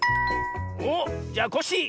おっじゃあコッシー！